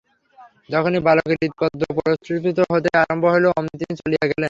যখনই বালকের হৃৎপদ্ম প্রস্ফুটিত হইতে আরম্ভ হইল, অমনি তিনি চলিয়া গেলেন।